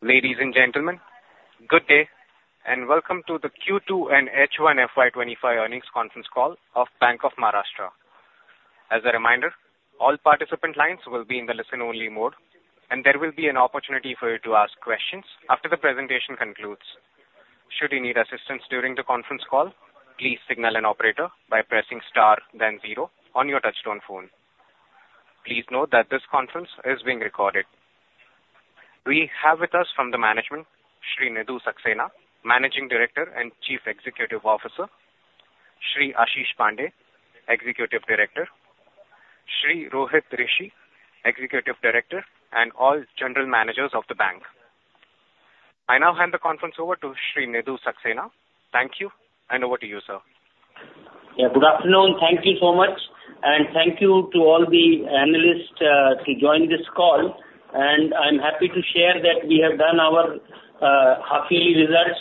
Ladies and gentlemen, good day, and welcome to the Q2 and H1 FY 2025 Earnings Conference Call of Bank of Maharashtra. As a reminder, all participant lines will be in the listen-only mode, and there will be an opportunity for you to ask questions after the presentation concludes. Should you need assistance during the conference call, please signal an operator by pressing star then zero on your touchtone phone. Please note that this conference is being recorded. We have with us from the management, Shri Nidhu Saxena, Managing Director and Chief Executive Officer, Shri Ashish Pandey, Executive Director, Shri Rohit Rishi, Executive Director, and all general managers of the bank. I now hand the conference over to Shri Nidhu Saxena. Thank you, and over to you, sir. Yeah, good afternoon. Thank you so much, and thank you to all the analysts to join this call. And I'm happy to share that we have done our half-yearly results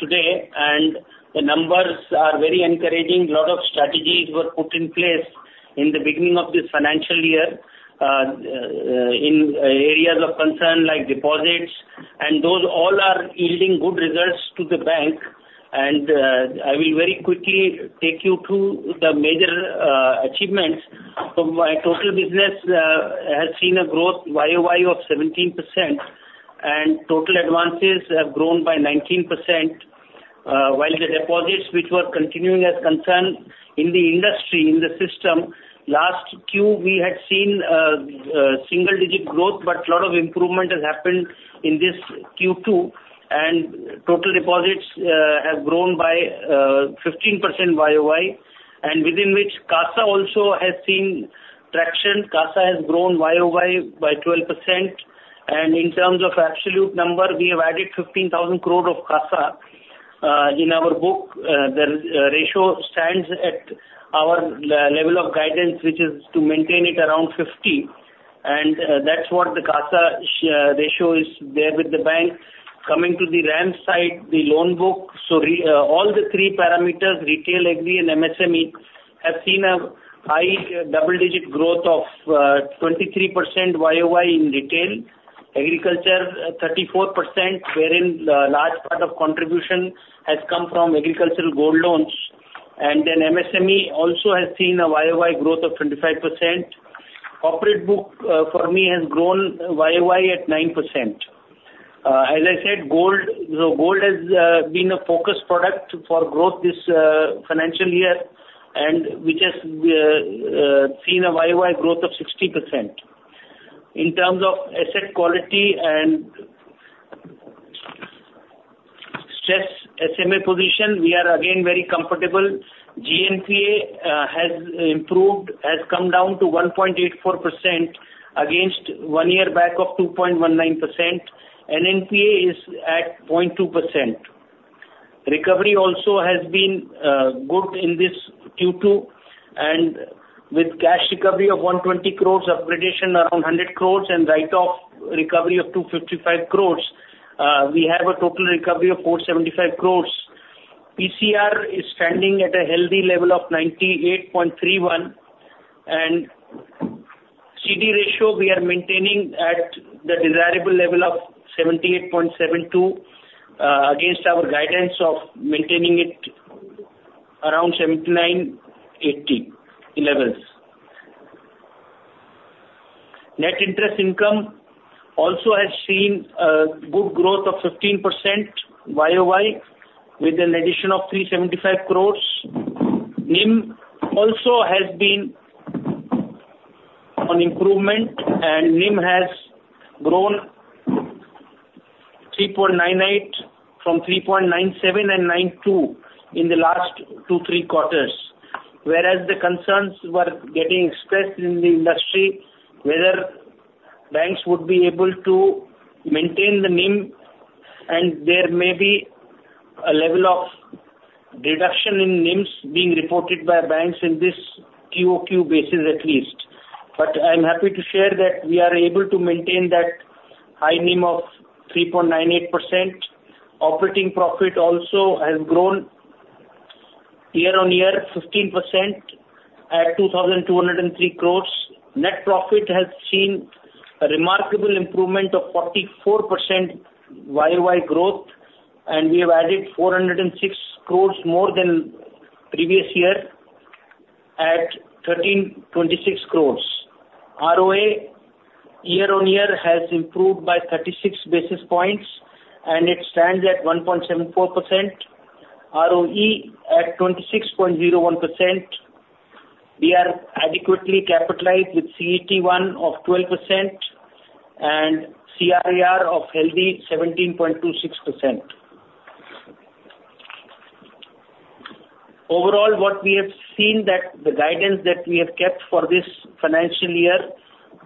today, and the numbers are very encouraging. A lot of strategies were put in place in the beginning of this financial year in areas of concern like deposits, and those all are yielding good results to the bank. And I will very quickly take you through the major achievements. So my total business has seen a growth YOY of 17%, and total advances have grown by 19%, while the deposits, which were continuing as concern in the industry, in the system, last Q, we had seen single digit growth, but a lot of improvement has happened in this Q2, and total deposits have grown by 15% YOY, and within which CASA also has seen traction. CASA has grown YOY by 12%, and in terms of absolute number, we have added 15,000 crore of CASA. In our book, the ratio stands at our level of guidance, which is to maintain it around 50%, and that's what the CASA ratio is there with the bank. Coming to the RAM side, the loan book, so all the three parameters, retail, agri, and MSME, have seen a high double-digit growth of 23% YOY in retail. Agriculture, 34%, wherein the large part of contribution has come from agricultural gold loans. And then MSME also has seen a YOY growth of 25%. Corporate book, for me, has grown YOY at 9%. As I said, gold, so gold has been a focus product for growth this financial year, and which has seen a YOY growth of 60%. In terms of asset quality and stress SMA position, we are again very comfortable. GNPA has improved, has come down to 1.84% against one year back of 2.19%. NNPA is at 0.2%. Recovery also has been good in this Q2, and with cash recovery of 120 crores, upgradation around 100 crores, and write-off recovery of 255 crores, we have a total recovery of 475 crores. PCR is standing at a healthy level of 98.31, and CD ratio we are maintaining at the desirable level of 78.72, against our guidance of maintaining it around 79-80 levels. Net interest income also has seen a good growth of 15% YOY, with an addition of 375 crores. NIM also has been on improvement, and NIM has grown 3.98 from 3.97 and 92 in the last two, three quarters. Whereas the concerns were getting expressed in the industry, whether banks would be able to maintain the NIM, and there may be a level of reduction in NIMs being reported by banks in this QoQ basis at least. But I'm happy to share that we are able to maintain that high NIM of 3.98%. Operating profit also has grown year on year 15% at 2,203 crores. Net profit has seen a remarkable improvement of 44% YOY growth, and we have added 406 crores more than previous year at 1,326 crores. ROA, year on year, has improved by thirty-six basis points, and it stands at 1.74%, ROE at 26.01%. We are adequately capitalized with CET1 of 12% and CIR of healthy 17.26%. Overall, what we have seen that the guidance that we have kept for this financial year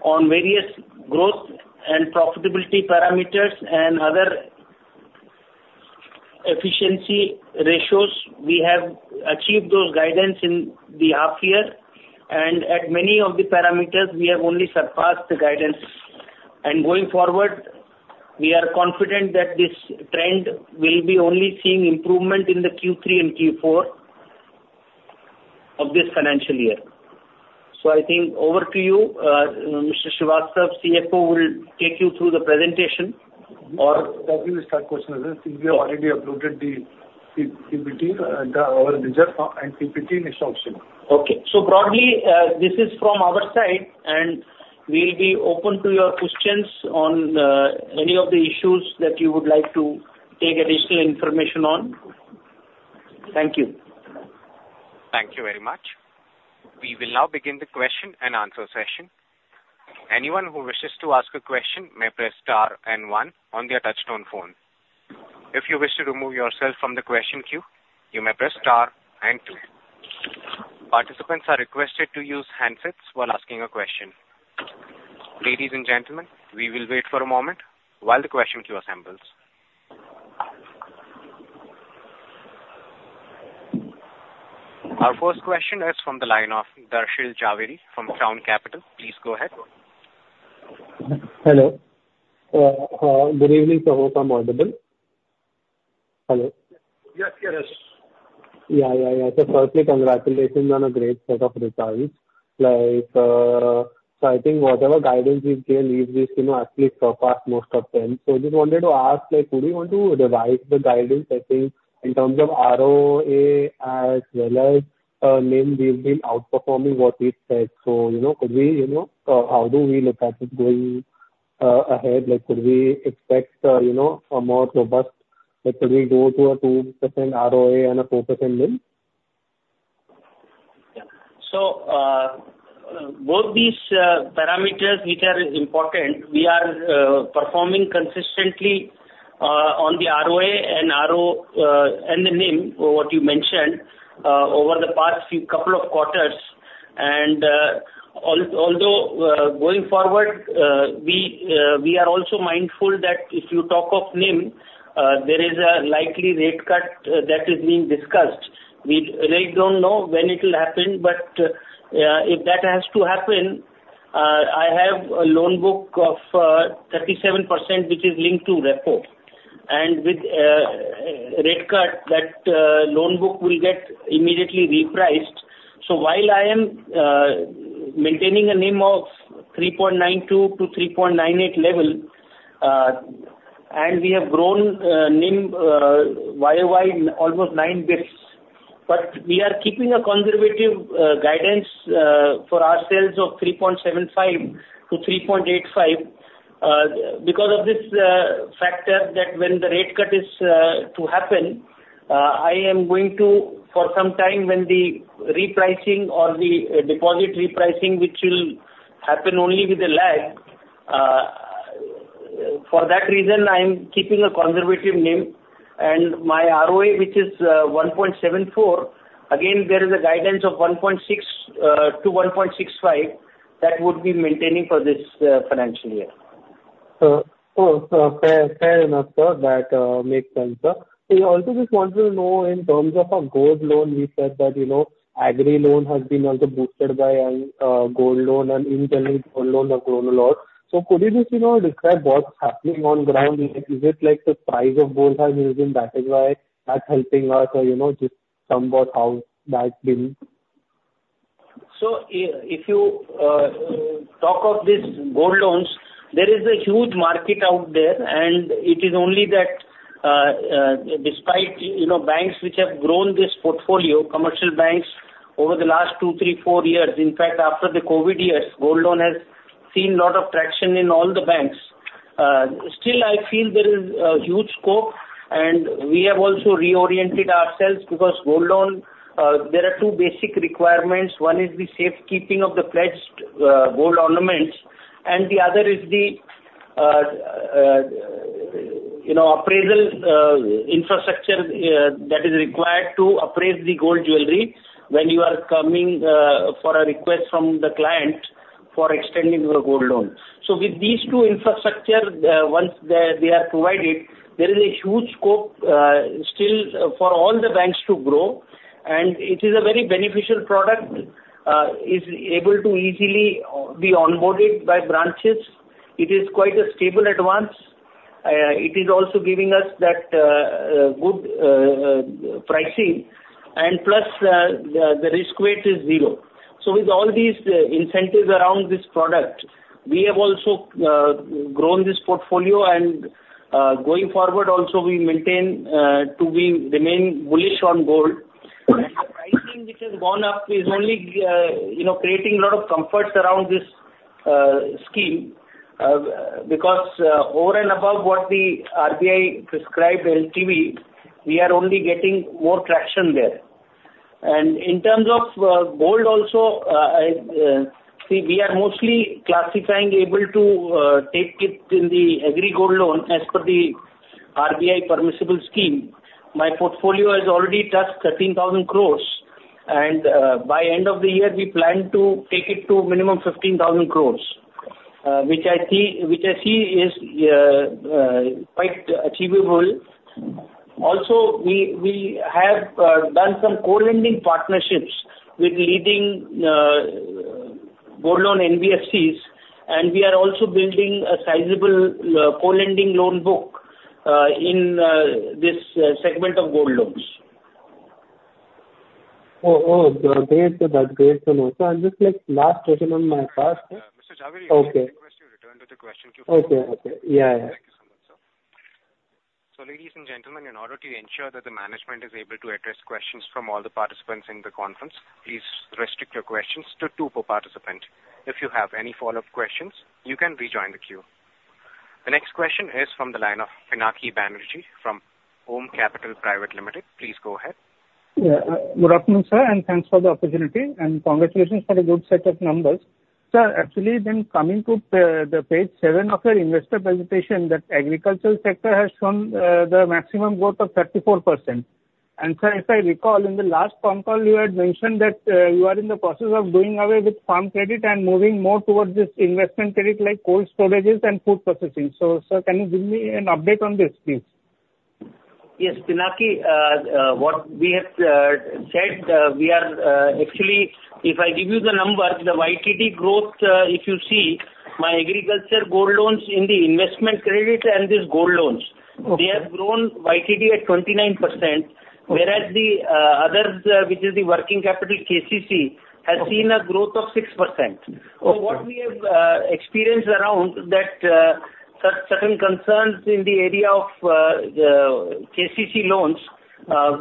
on various growth and profitability parameters and other efficiency ratios, we have achieved those guidance in the half year, and at many of the parameters, we have only surpassed the guidance. And going forward, we are confident that this trend will be only seeing improvement in the Q3 and Q4.... of this financial year. So I think over to you, Mr. Srivastava, CFO, will take you through the presentation or- We can start question, since we have already uploaded the PPT, our result and PPT is optional. Okay, so broadly, this is from our side, and we'll be open to your questions on any of the issues that you would like to take additional information on. Thank you. Thank you very much. We will now begin the question and answer session. Anyone who wishes to ask a question may press star and one on their touchtone phone. If you wish to remove yourself from the question queue, you may press star and two. Participants are requested to use handsets while asking a question. Ladies and gentlemen, we will wait for a moment while the question queue assembles. Our first question is from the line of Darshil Jhaveri from Crown Capital. Please go ahead. Hello. Good evening to all from Audible. Hello? Yes, yes, yes. Yeah, yeah, yeah. So firstly, congratulations on a great set of results. Like, so I think whatever guidance you've given, you've, you know, actually surpassed most of them. So just wanted to ask, like, would you want to revise the guidance, I think, in terms of ROA as well as NIM, we've been outperforming what we said. So, you know, could we, you know, how do we look at it going ahead? Like, could we expect, you know, a more robust, like could we go to a 2% ROA and a 4% NIM? Yeah. So, both these parameters, which are important, we are performing consistently on the ROA and ROE and the NIM, what you mentioned, over the past few couple of quarters. Although going forward, we are also mindful that if you talk of NIM, there is a likely rate cut that is being discussed. We really don't know when it will happen, but if that has to happen, I have a loan book of 37%, which is linked to repo. And with rate cut, that loan book will get immediately repriced. While I am maintaining a NIM of 3.92-3.98 level, and we have grown NIM YOY almost nine basis points, but we are keeping a conservative guidance for ourselves of 3.75-3.85. Because of this factor that when the rate cut is to happen, I am going to, for some time, when the repricing or the deposit repricing, which will happen only with a lag, for that reason, I'm keeping a conservative NIM. And my ROA, which is 1.74, again, there is a guidance of 1.6-1.65, that would be maintaining for this financial year. Oh, fair enough, sir. That makes sense, sir. I also just want to know, in terms of our gold loan, we said that, you know, agri loan has been also boosted by gold loan and in turning, gold loan have grown a lot. So could you just, you know, describe what's happening on ground? Is it like the price of gold has been battered by that helping us or, you know, just somewhat how that been? So if you talk of these gold loans, there is a huge market out there, and it is only that, despite, you know, banks which have grown this portfolio, commercial banks, over the last two, three, four years, in fact, after the COVID years, gold loan has seen a lot of traction in all the banks. Still, I feel there is a huge scope, and we have also reoriented ourselves, because gold loan, there are two basic requirements. One is the safekeeping of the pledged gold ornaments, and the other is the, you know, appraisal infrastructure that is required to appraise the gold jewelry when you are coming for a request from the client for extending your gold loan. So with these two infrastructure, once they are provided, there is a huge scope, still, for all the banks to grow, and it is a very beneficial product. Is able to easily be onboarded by branches. It is quite a stable advance. It is also giving us that, good pricing, and plus, the risk weight is zero. So with all these, incentives around this product, we have also grown this portfolio, and going forward, also, we maintain to be remain bullish on gold. And the pricing which has gone up is only, you know, creating a lot of comfort around this, scheme, because over and above what the RBI prescribed LTV, we are only getting more traction there. In terms of gold also, we are mostly able to take it in the agri gold loan as per the RBI permissible scheme. My portfolio has already touched 13,000 crores, and by end of the year, we plan to take it to minimum 15,000 crores, which I see is quite achievable. Also, we have done some co-lending partnerships with leading gold loan NBFCs, and we are also building a sizable co-lending loan book in this segment of gold loans. Oh, great. That's great to know. So I'll just, like, last question on my part. Mr. Jhaveri- Okay. I request you return to the question please. Okay, okay. Yeah, yeah. Thank you so much, sir. So, ladies and gentlemen, in order to ensure that the management is able to address questions from all the participants in the conference, please restrict your questions to two per participant. If you have any follow-up questions, you can rejoin the queue. The next question is from the line of Pinaki Banerjee from AUM Capital Market Private Limited. Please go ahead. Yeah. Good afternoon, sir, and thanks for the opportunity, and congratulations for the good set of numbers. Sir, actually, then coming to the page 7 of your investor presentation, that agricultural sector has shown the maximum growth of 34%. And sir, if I recall, in the last con call, you had mentioned that you are in the process of doing away with farm credit and moving more towards this investment credit like cold storages and food processing. So, sir, can you give me an update on this, please? Yes, Pinaki, what we have said, we are. Actually, if I give you the numbers, the YTD growth, if you see, my agri gold loans in the investment credit and these gold loans- Okay. They have grown YTD at 29%, whereas the others, which is the working capital, KCC, has seen a growth of 6%. Okay. So what we have experienced around that, certain concerns in the area of KCC loans,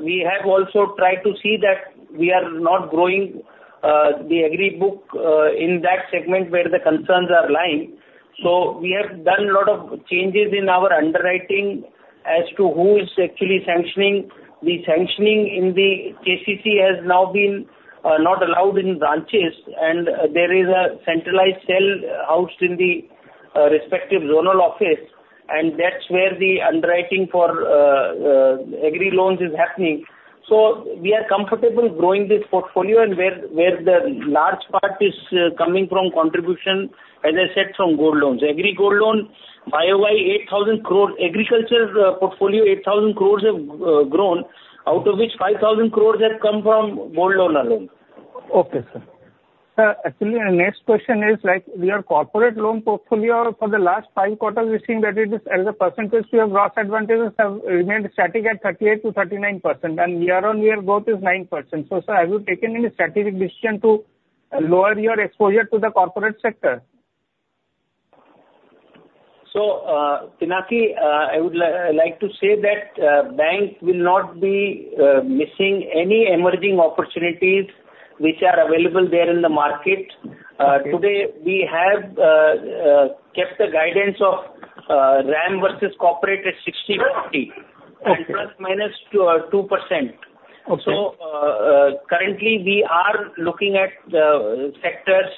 we have also tried to see that we are not growing the agri book in that segment where the concerns are lying. So we have done a lot of changes in our underwriting as to who is actually sanctioning. The sanctioning in the KCC has now been not allowed in branches, and there is a centralized cell housed in the respective zonal office, and that's where the underwriting for agri loans is happening. So we are comfortable growing this portfolio and where the large part is coming from contribution, as I said, from gold loans, agri gold loan to 8,000 crores, agriculture portfolio, 8,000 crores have grown, out of which 5,000 crores have come from Gold Loan alone. Okay, sir. Sir, actually, my next question is, like, your corporate loan portfolio for the last five quarters, we've seen that it is, as a percentage, your gross advances have remained static at 38%-39%, and year-on-year growth is 9%. So, sir, have you taken any strategic decision to lower your exposure to the corporate sector? Pinaki, I would like to say that bank will not be missing any emerging opportunities which are available there in the market. Okay. Today, we have kept the guidance of RAM versus corporate at 60/40. Okay. Plus, minus, 2%. Okay. So, currently, we are looking at sectors,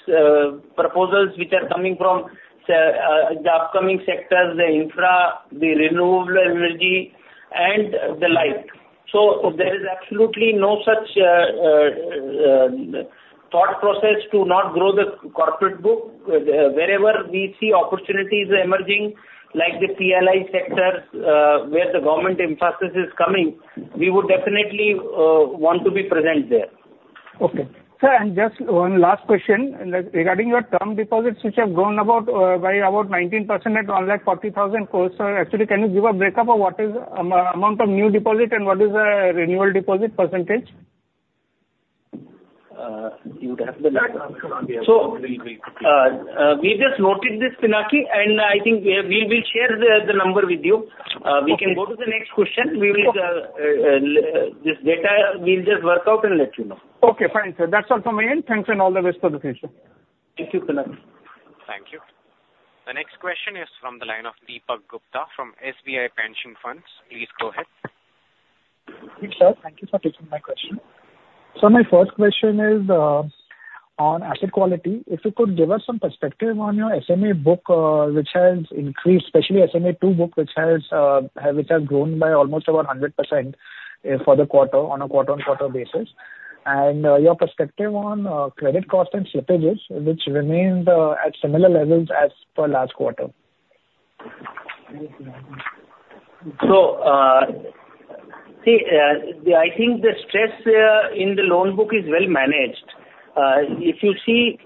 proposals which are coming from the upcoming sectors, the infra, the renewable energy and the like. So there is absolutely no such thought process to not grow the corporate book. Wherever we see opportunities emerging, like the PLI sector, where the government emphasis is coming, we would definitely want to be present there. Okay. Sir, and just one last question, regarding your term deposits, which have grown about by about 19% at around, like, 40,000 crores. Sir, actually, can you give a breakup of what is the amount of new deposit and what is the renewal deposit percentage? You would have the number.... We just noted this, Pinaki, and I think we will share the number with you. Okay. We can go to the next question. Okay. We will, this data, we'll just work out and let you know. Okay, fine, sir. That's all from my end. Thanks, and all the best for the future. Thank you, Pinaki. Thank you. The next question is from the line of Deepak Gupta from SBI Pension Funds. Please go ahead. Sir, thank you for taking my question. So my first question is on asset quality. If you could give us some perspective on your SMA book, which has increased, especially SMA-2 book, which has grown by almost about 100%, for the quarter, on a quarter-on-quarter basis, and your perspective on credit cost and slippages, which remained at similar levels as per last quarter. I think the stress in the loan book is well managed. If you see,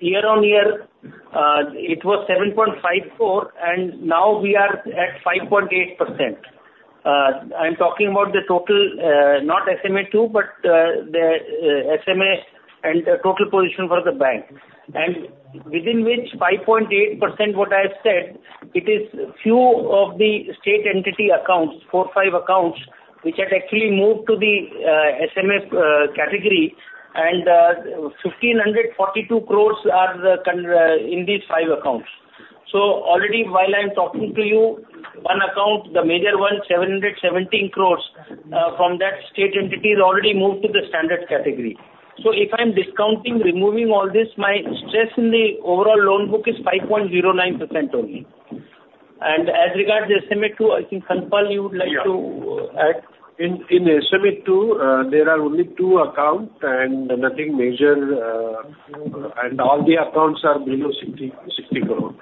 year on year, it was 7.54%, and now we are at 5.8%. I'm talking about the total, not SMA 2, but the SMA and the total position for the bank. And within which 5.8% what I have said, it is few of the state entity accounts, 4-5 accounts, which has actually moved to the SMA category, and 1,542 crores are contained in these five accounts. Already, while I'm talking to you, one account, the major one, 717 crores from that state entity is already moved to the standard category. So if I'm discounting, removing all this, my stress in the overall loan book is 5.09% only. And as regards the SMA two, I think, Kanwar Pal, you would like to- Yeah. In SMA two, there are only two accounts and nothing major, and all the accounts are below 60 crore....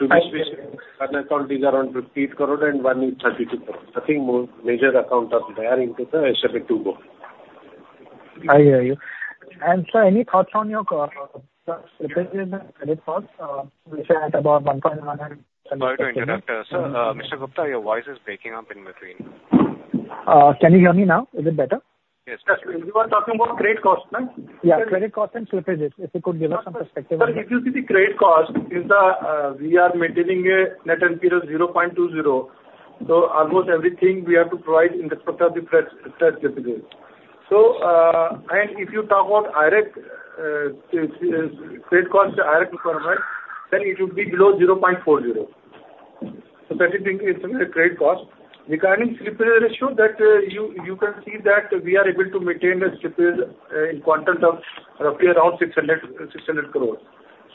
to this one account is around INR 50 crore and one is INR 32 crore. I think more major accounts are there into the SMA-2 book. I hear you, and sir, any thoughts on your slippage in the credit cost? We say at about one point one and- Sorry to interrupt. Sir, Mr. Gupta, your voice is breaking up in between. Can you hear me now? Is it better? Yes. Yes, we were talking about credit cost, right? Yeah, credit cost and slippages, if you could give us some perspective on that. Sir, if you see the credit cost, is the, we are maintaining a net NPAs of 0.20%. So almost everything we have to provision in part of the credit slippage. So, and if you talk about IRAC, credit cost IRAC requirement, then it would be below 0.40%. So that is the case in the credit cost. Regarding slippage ratio, you can see that we are able to maintain a slippage in quantum of roughly around 600 crore.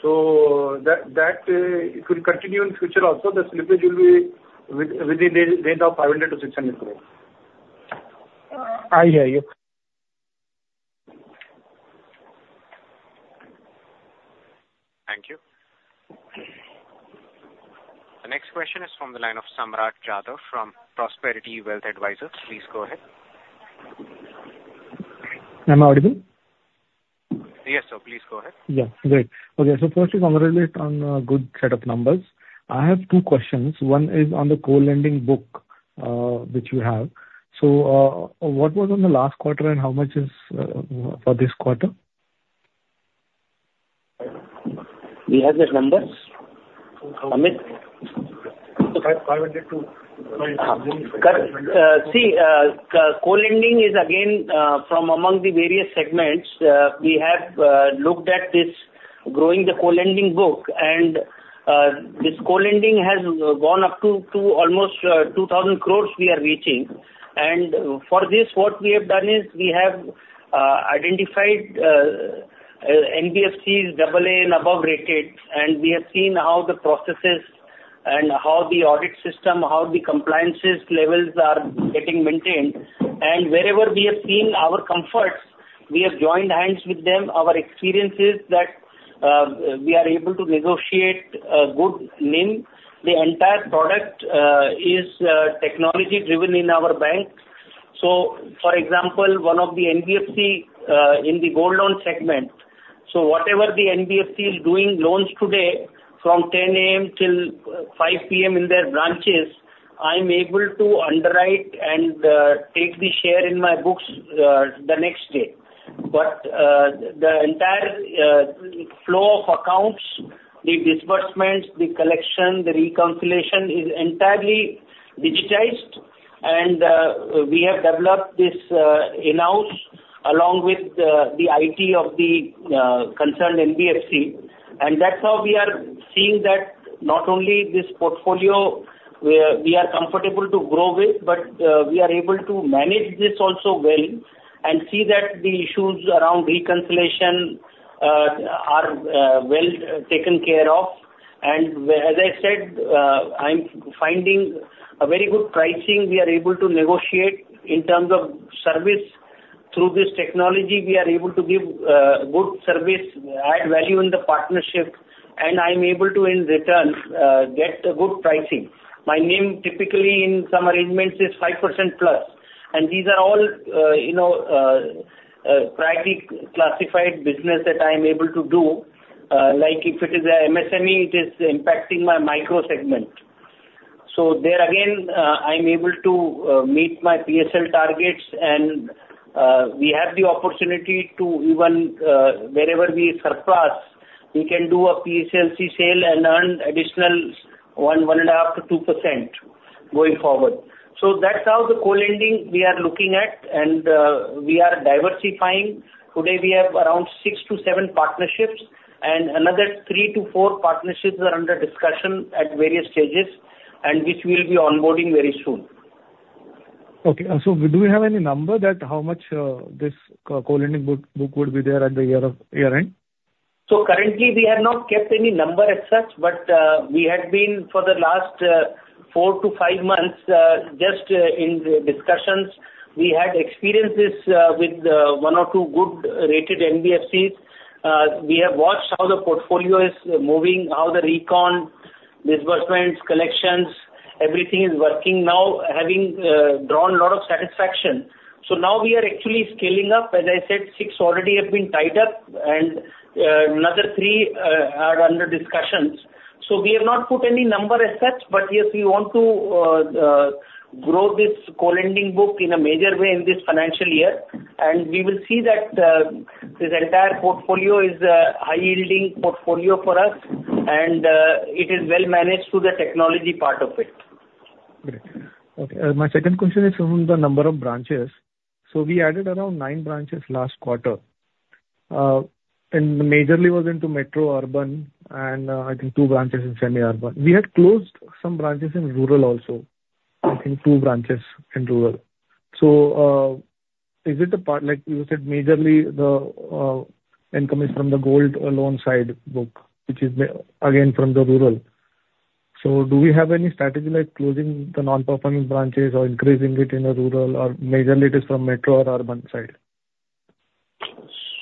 So that, it will continue in future also, the slippage will be within the range of 500 crore to 600 crore. I hear you. Thank you. The next question is from the line of Samrat Jadhav from Prosperity Wealth Advisors. Please go ahead. Am I audible? Yes, sir, please go ahead. Yeah, great. Okay, so first, congratulations on a good set of numbers. I have two questions. One is on the co-lending book, which you have. So, what was on the last quarter, and how much is for this quarter? Do you have that numbers, Amit? Five hundred two. See, co-lending is again from among the various segments. We have looked at this growing the co-lending book, and this co-lending has gone up to almost 2,000 crores we are reaching. And for this, what we have done is, we have identified NBFCs double A and above rated, and we have seen how the processes and how the audit system, how the compliances levels are getting maintained. And wherever we have seen our comforts, we have joined hands with them. Our experience is that, we are able to negotiate a good NIM. The entire product is technology driven in our bank. For example, one of the NBFC in the gold loan segment, so whatever the NBFC is doing loans today, from 10:00 A.M. till 5:00 P.M. in their branches, I'm able to underwrite and take the share in my books the next day. But the entire flow of accounts, the disbursements, the collection, the reconciliation is entirely digitized, and we have developed this in-house, along with the IT of the concerned NBFC. And that's how we are seeing that not only this portfolio where we are comfortable to grow with, but we are able to manage this also well, and see that the issues around reconciliation are well taken care of. And as I said, I'm finding a very good pricing. We are able to negotiate in terms of service. Through this technology, we are able to give good service, add value in the partnership, and I'm able to, in return, get a good pricing. My NIM, typically, in some arrangements, is 5% plus. And these are all, you know, practically classified business that I am able to do. Like, if it is a MSME, it is impacting my micro segment. So there again, I'm able to meet my PSL targets and we have the opportunity to even, wherever we surpass, we can do a PSLC sale and earn additional one, one and a half to two percent going forward. So that's how the co-lending we are looking at, and we are diversifying. Today, we have around six to seven partnerships, and another three to four partnerships are under discussion at various stages, and which we'll be onboarding very soon. Okay. And so do we have any number that how much this co-lending book would be there at year-end? So currently, we have not kept any number as such, but we have been for the last four to five months just in the discussions. We had experiences with one or two good rated NBFCs. We have watched how the portfolio is moving, how the recon, disbursements, collections, everything is working now, having drawn a lot of satisfaction. So now we are actually scaling up. As I said, six already have been tied up, and another three are under discussions. So we have not put any number as such, but yes, we want to grow this co-lending book in a major way in this financial year. And we will see that this entire portfolio is a high-yielding portfolio for us, and it is well managed through the technology part of it. Great. Okay, my second question is on the number of branches. So we added around nine branches last quarter, and majorly was into metro, urban, and, I think two branches in semi-urban. We had closed some branches in rural also, I think two branches in rural. So, is it a part, like you said, majorly the income is from the gold loan side book, which is mainly again, from the rural. So do we have any strategy like closing the non-performing branches or increasing it in the rural, or majorly it is from metro or urban side?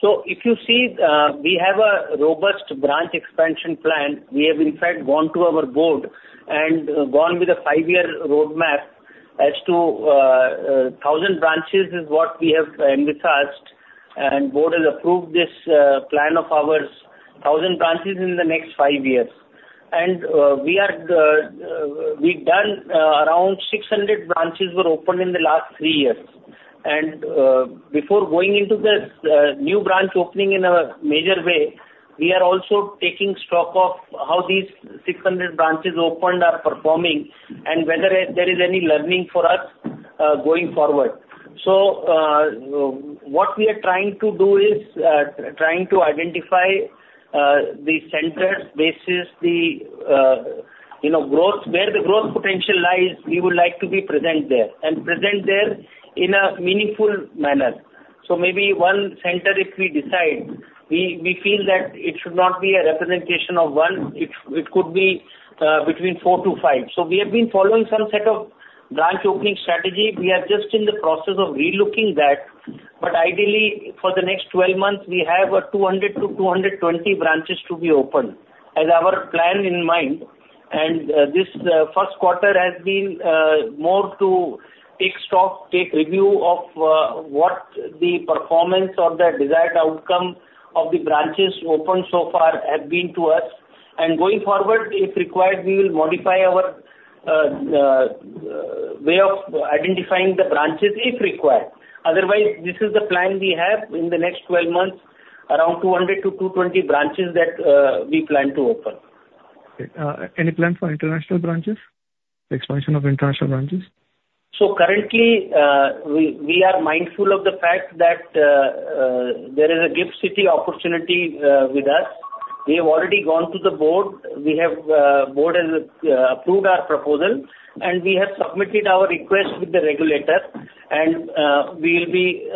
...So if you see, we have a robust branch expansion plan. We have in fact gone to our board and gone with a five-year roadmap as to, a thousand branches is what we have envisaged, and board has approved this, plan of ours, thousand branches in the next five years. And, we are, we've done, around six hundred branches were opened in the last three years. And, before going into this, new branch opening in a major way, we are also taking stock of how these six hundred branches opened are performing and whether there is any learning for us, going forward. So, what we are trying to do is identify the center bases, you know, growth where the growth potential lies. We would like to be present there, and present there in a meaningful manner. So maybe one center, if we decide, we feel that it should not be a representation of one. It could be between four to five. So we have been following some set of branch opening strategy. We are just in the process of relooking that, but ideally, for the next 12 months, we have 200-220 branches to be opened as our plan in mind. And this first quarter has been more to take stock, take review of what the performance or the desired outcome of the branches opened so far have been to us. Going forward, if required, we will modify our way of identifying the branches, if required. Otherwise, this is the plan we have in the next 12 months, around 200-220 branches that we plan to open. Any plan for international branches? Expansion of international branches. So currently, we are mindful of the fact that there is a GIFT City opportunity with us. We have already gone to the board. We have board has approved our proposal, and we have submitted our request with the regulator. And we will be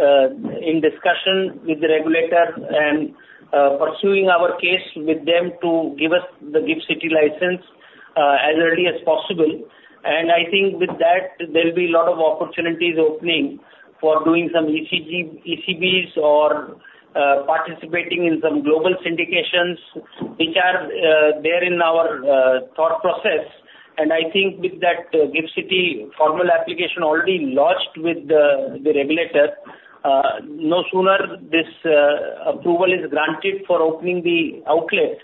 in discussion with the regulator and pursuing our case with them to give us the GIFT City license as early as possible. And I think with that, there will be a lot of opportunities opening for doing some ECBs or participating in some global syndications, which are there in our thought process. I think with that GIFT City formal application already launched with the regulator, no sooner this approval is granted for opening the outlet,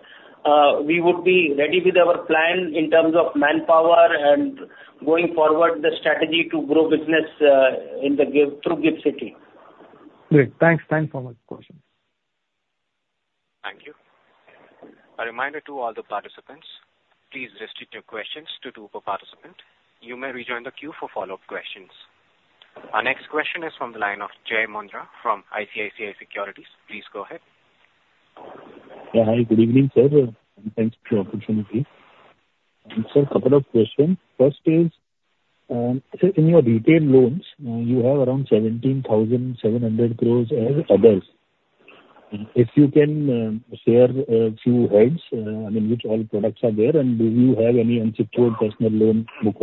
we would be ready with our plan in terms of manpower and going forward the strategy to grow business in the GIFT through GIFT City. Great. Thanks. Thanks so much for questions. Thank you. A reminder to all the participants, please restrict your questions to two per participant. You may rejoin the queue for follow-up questions. Our next question is from the line of Jai Mundhra from ICICI Securities. Please go ahead. Yeah, hi, good evening, sir, and thanks for the opportunity. Sir, a couple of questions. First is, sir, in your retail loans, you have around 17,700 crores as others. If you can, share a few heads, I mean, which all products are there, and do you have any unsecured personal loan book?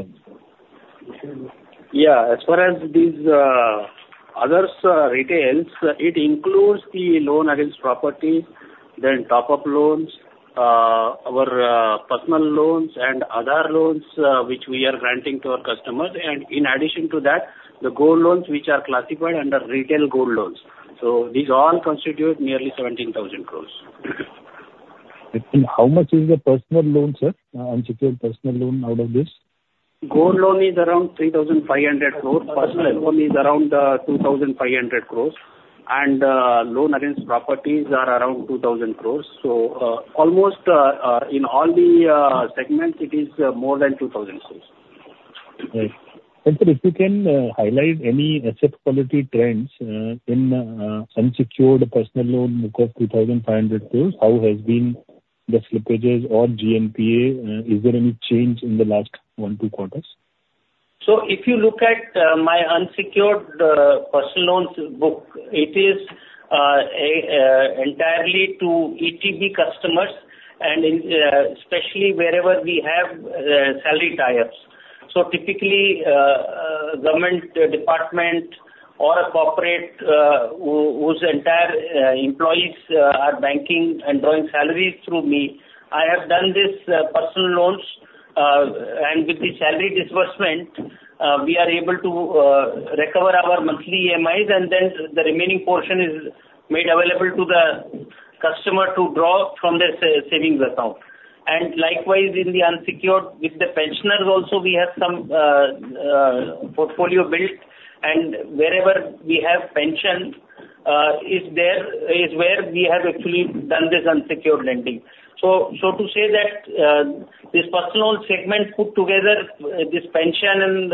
Yeah, as far as these other retail, it includes the loan against property, then top-up loans, our personal loans and other loans, which we are granting to our customers. And in addition to that, the gold loans, which are classified under retail gold loans. So these all constitute nearly 17,000 crores. How much is the personal loan, sir? Unsecured personal loan out of this? Gold Loan is around 3,500 crores. Personal Loan is around 2,500 crores, and loan against properties are around 2,000 crores. So, almost in all the segments, it is more than 2,000 crores. Right. And sir, if you can highlight any asset quality trends in unsecured personal loan book of 2,500 crores, how has been the slippages or GNPA? Is there any change in the last one, two quarters? So if you look at my unsecured personal loans book, it is entirely to ETB customers and especially wherever we have salary tie-ups. So typically a government department or a corporate whose entire employees are banking and drawing salaries through me, I have done this personal loans and with the salary disbursement we are able to recover our monthly EMIs, and then the remaining portion is made available to the customer to draw from their savings account. And likewise in the unsecured with the pensioners also, we have some portfolio built, and wherever we have pension is there, is where we have actually done this unsecured lending. So, to say that, this personal segment put together, this pension and,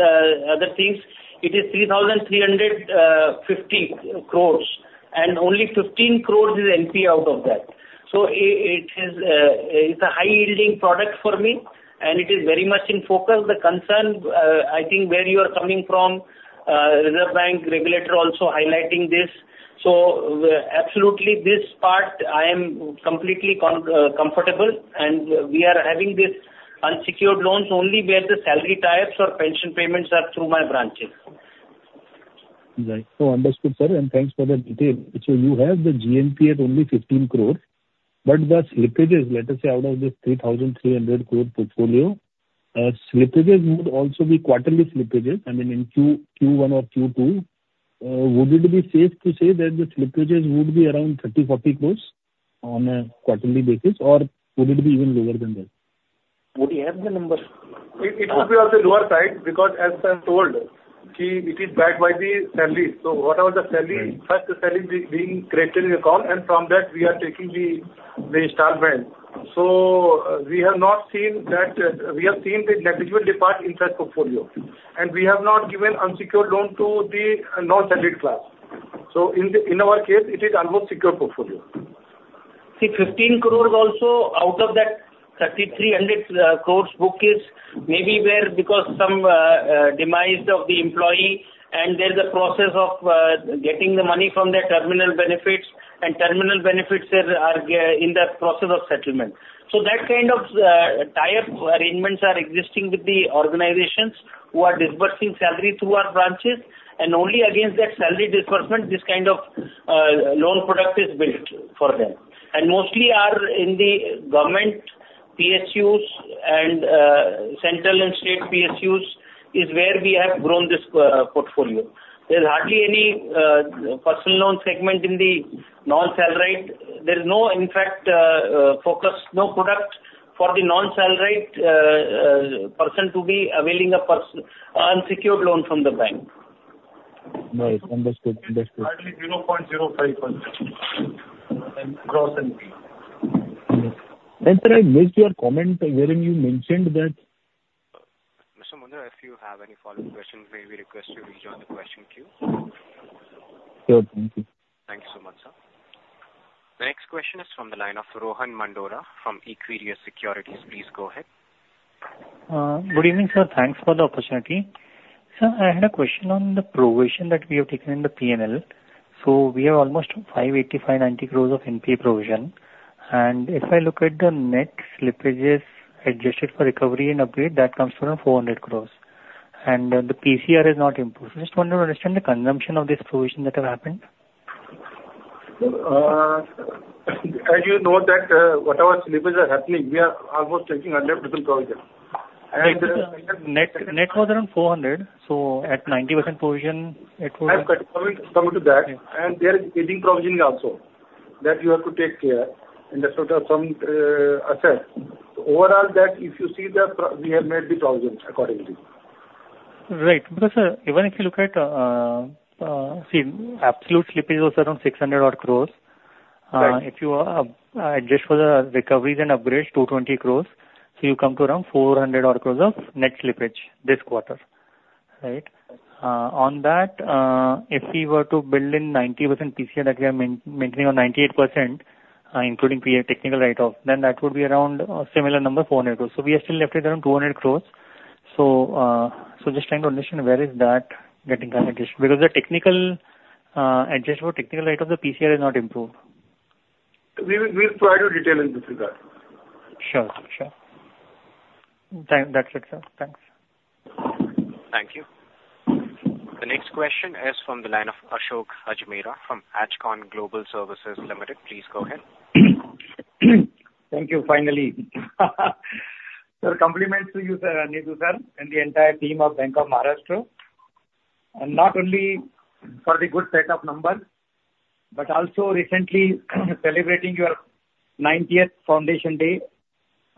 other things, it is 3,350 crores, and only 15 crores is NPA out of that. So it is, it's a high-yielding product for me, and it is very much in focus. The concern, I think, where you are coming from, Reserve Bank, regulator also highlighting this. So, absolutely, this part, I am completely comfortable, and we are having these unsecured loans only where the salary types or pension payments are through my branches.... Right. So understood, sir, and thanks for the detail. So you have the GNPA at only 15 crore, but the slippages, let us say, out of this 3,300 crore portfolio, slippages would also be quarterly slippages, I mean, in Q1 or Q2. Would it be safe to say that the slippages would be around 30-40 crore on a quarterly basis, or would it be even lower than that? Would he have the number? It would be on the lower side, because as I told, it is backed by the salary. So whatever the salary- Right. First salary being credited in account, and from that we are taking the installment. So, we have not seen that, we have seen the individual default in that portfolio, and we have not given unsecured loan to the non-salaried class. So in our case, it is almost secure portfolio. See, fifteen crores also, out of that thirty-three hundred crores book is maybe where because some demise of the employee, and there's a process of getting the money from their terminal benefits and terminal benefits are in the process of settlement. So that kind of tie-up arrangements are existing with the organizations who are disbursing salary through our branches, and only against that salary disbursement, this kind of loan product is built for them. And mostly are in the government PSUs and central and state PSUs is where we have grown this portfolio. There's hardly any personal loan segment in the non-salaried. There's no, in fact, focus, no product for the non-salaried person to be availing an unsecured loan from the bank. Right. Understood. Understood. Hardly 0.05% and Gross NPAs. Sir, I missed your comment wherein you mentioned that- Mr. Mundhra, if you have any follow-up questions, may we request you to rejoin the question queue? Sure. Thank you. Thank you so much, sir. The next question is from the line of Rohan Mandora from Equirus Securities. Please go ahead. Good evening, sir. Thanks for the opportunity. Sir, I had a question on the provision that we have taken in the P&L. So we have almost 585-900 crores of NPA provision, and if I look at the net slippages adjusted for recovery and upgrade, that comes to around 400 crores, and the PCR is not improved. I just want to understand the consumption of this provision that have happened. As you know that, whatever slippages are happening, we are almost taking 100% provision. And, Net net was around 400, so at 90% provision, it was- I come to that, and there is aging provision also, that you have to take care in the total sum asset. Overall, that if you see that, we have made the provisions accordingly. Right. Because, sir, even if you look at, absolute slippage was around 600 odd crores. Right. If you adjust for the recoveries and upgrades, 220 crores, so you come to around 400 odd crores of net slippage this quarter, right? On that, if we were to build in 90% PCR that we are maintaining on 98%, including technical write-off, then that would be around a similar number, 400 crores. So we are still left with around 200 crores. So just trying to understand where is that getting kind of addition? Because the technical, adjust for technical write-off, the PCR is not improved. We'll provide you details in this regard. Sure. Sure. That's it, sir. Thanks. Thank you. The next question is from the line of Ashok Ajmera from Ajcon Global Services Limited. Please go ahead. Thank you, finally. Sir, compliments to you, sir, Nidhu sir, and the entire team of Bank of Maharashtra, and not only for the good set of numbers, but also recently celebrating your ninetieth foundation day,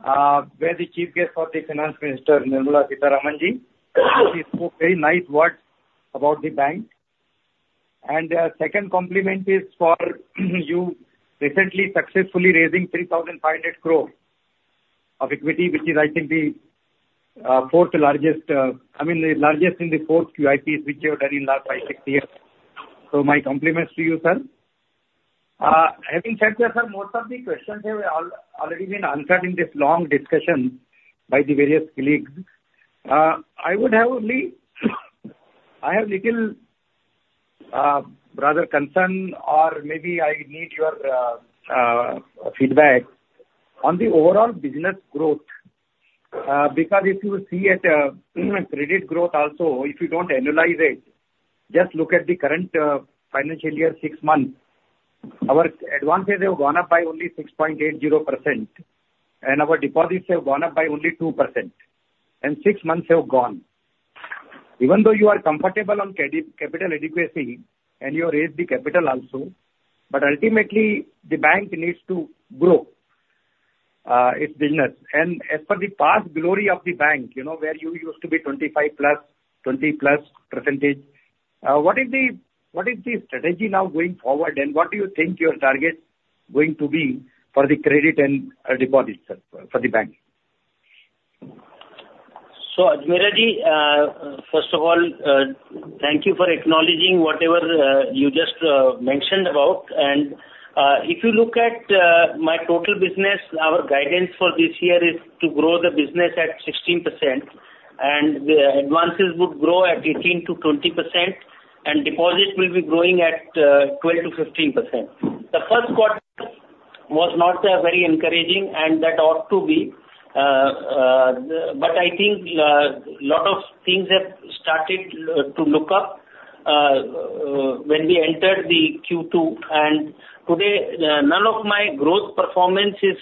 where the chief guest was the finance minister, Nirmala Sitharaman Ji. She spoke very nice words about the bank. And, second compliment is for you recently successfully raising 3,500 crores of equity, which is, I think, the, fourth largest, I mean, the largest in the fourth QIPs which you have done in last five, six years. So my compliments to you, sir. Having said that, sir, most of the questions have already been answered in this long discussion by the various colleagues. I would have only, I have little, rather concern or maybe I need your, feedback on the overall business growth. Because if you see at, credit growth also, if you don't annualize it, just look at the current, financial year, six months. Our advances have gone up by only 6.80%, and our deposits have gone up by only 2%, and six months have gone. Even though you are comfortable on capital adequacy, and you raise the capital also, but ultimately, the bank needs to grow, its business. And as for the past glory of the bank, you know, where you used to be 25 plus, 20 plus percentage, what is the, what is the strategy now going forward, and what do you think your target going to be for the credit and, deposits, sir, for the bank? Ajmera Ji, first of all, thank you for acknowledging whatever you just mentioned about, and if you look at my total business, our guidance for this year is to grow the business at 16%, and the advances would grow at 18%-20%, and deposits will be growing at 12%-15%. The first quarter was not very encouraging and that ought to be. But I think a lot of things have started to look up when we entered the Q2. And today none of my growth performance is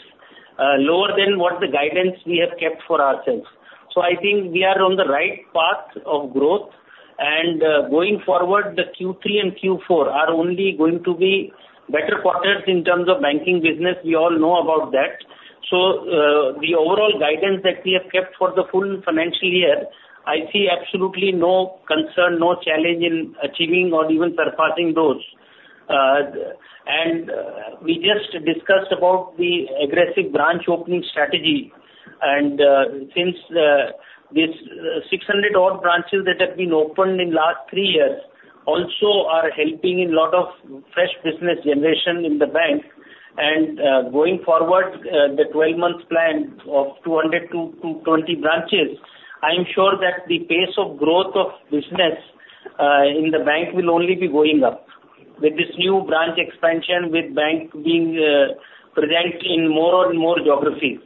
lower than what the guidance we have kept for ourselves. So I think we are on the right path of growth, and going forward, the Q3 and Q4 are only going to be better quarters in terms of banking business. We all know about that. So the overall guidance that we have kept for the full financial year, I see absolutely no concern, no challenge in achieving or even surpassing those. We just discussed about the aggressive branch opening strategy, and since this 600-odd branches that have been opened in last three years also are helping in lot of fresh business generation in the bank. Going forward, the 12-month plan of 200 to 20 branches, I am sure that the pace of growth of business in the bank will only be going up with this new branch expansion, with bank being present in more and more geographies.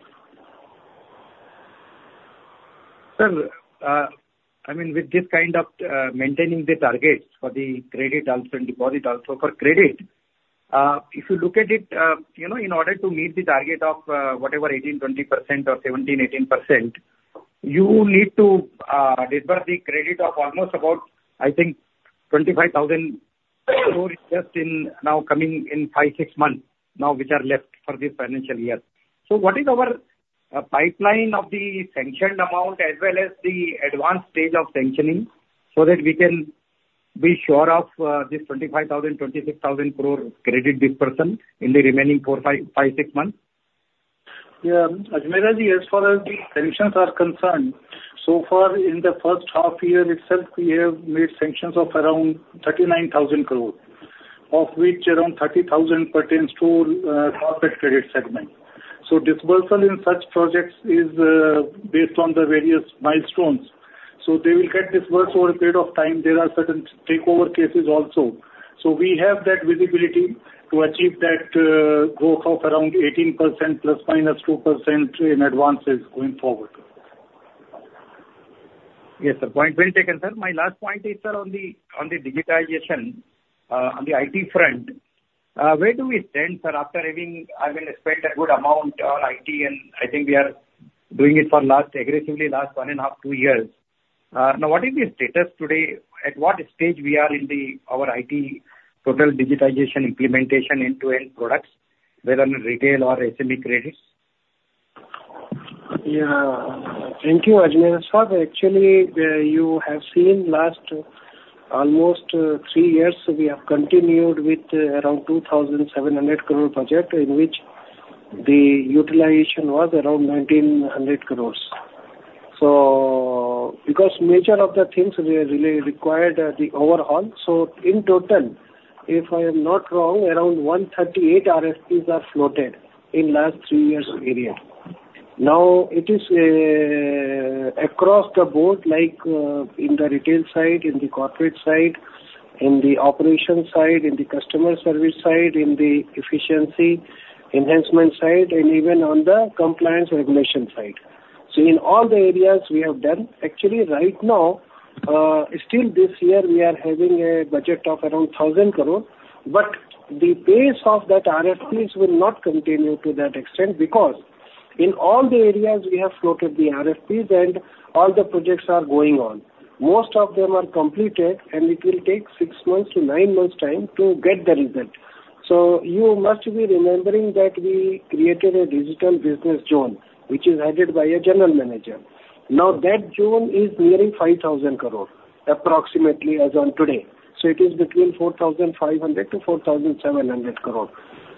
Sir, I mean, with this kind of maintaining the targets for the credit also and deposit also, for credit, if you look at it, you know, in order to meet the target of whatever 18-20% or 17-18%, you need to disburse the credit of almost about, I think, 25,000 crore just in now coming in five, six months now, which are left for this financial year. So what is our pipeline of the sanctioned amount as well as the advanced stage of sanctioning, so that we can be sure of this 25,000-26,000 crore credit disbursement in the remaining four, five, six months? Yeah, Ajmera ji, as far as the sanctions are concerned, so far in the first half year itself, we have made sanctions of around 39,000 crore, of which around 30,000 crore pertains to corporate credit segment. So disbursal in such projects is based on the various milestones. So they will get disbursed over a period of time. There are certain takeover cases also. So we have that visibility to achieve that growth of around 18%, plus minus 2% in advances going forward. Yes, sir. Point well taken, sir. My last point is, sir, on the digitization, on the IT front. Where do we stand, sir, after having, I mean, spent a good amount on IT, and I think we are doing it for last aggressively, last one and a half, two years. Now, what is the status today? At what stage we are in the our IT total digitization implementation end-to-end products, whether in retail or SME credits? Yeah, thank you, Ajmera sir. Actually, you have seen last almost three years, we have continued with around 2,700 crore budget, in which the utilization was around 1,900 crores. So because major of the things we really required the overhaul. So in total, if I am not wrong, around 138 RFPs are floated in last three years period. Now, it is across the board, like in the retail side, in the corporate side, in the operation side, in the customer service side, in the efficiency enhancement side, and even on the compliance regulation side. So in all the areas we have done, actually right now, still this year, we are having a budget of around 1,000 crore, but the pace of that RFPs will not continue to that extent because in all the areas we have floated the RFPs and all the projects are going on. Most of them are completed, and it will take 6-9 months time to get the result. So you must be remembering that we created a digital business zone, which is headed by a general manager. Now, that zone is nearing 5,000 crore, approximately as on today. So it is between 4,500-4,700 crore.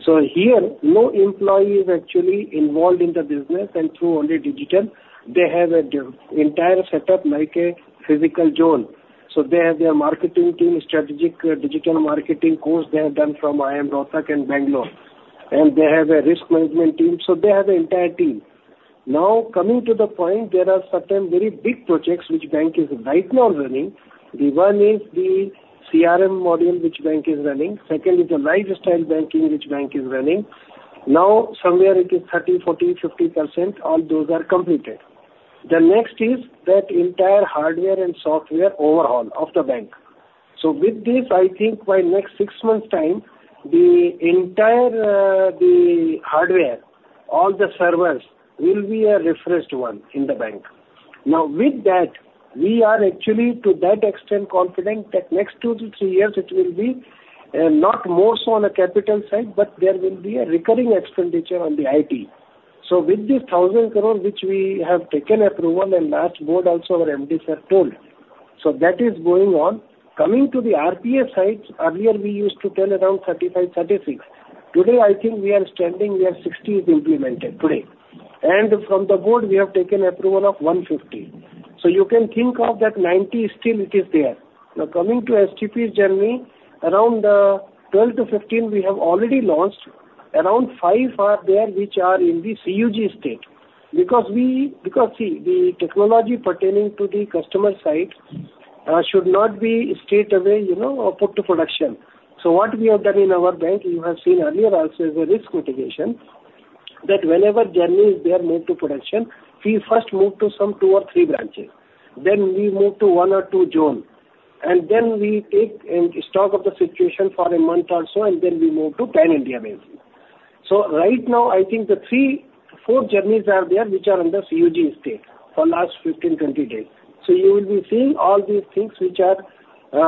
So here, no employee is actually involved in the business and through only digital. They have an entire setup like a physical zone. So they have their marketing team, strategic digital marketing course they have done from IIM Rohtak and IIM Bangalore, and they have a risk management team, so they have the entire team. Now, coming to the point, there are certain very big projects which bank is right now running. The one is the CRM module, which bank is running. Second is the lifestyle banking, which bank is running. Now, somewhere it is 30%, 40%, 50%, all those are completed. The next is that entire hardware and software overhaul of the bank. So with this, I think by next six months' time, the entire, the hardware, all the servers, will be a refreshed one in the bank. Now, with that, we are actually to that extent confident that next two to three years it will be, not more so on a capital side, but there will be a recurring expenditure on the IT, so with this 1,000 crore, which we have taken approval and last board also our MDs have told, so that is going on. Coming to the RPA side, earlier, we used to tell around 35, 36. Today, I think we are standing, we have 60 is implemented today. And from the board, we have taken approval of 150. So you can think of that 90 still it is there. Now, coming to STPs journey, around, 12-15, we have already launched. Around 5 are there, which are in the CUG stage. Because we, because see, the technology pertaining to the customer side should not be straight away, you know, or put to production. So what we have done in our bank, you have seen earlier also is a risk mitigation, that whenever journeys they are moved to production, we first move to some two or three branches. Then we move to one or two zone, and then we take stock of the situation for a month or so, and then we move to pan-India bank. So right now, I think the 3-4 journeys are there, which are in the CUG stage for last 15-20 days. So you will be seeing all these things which are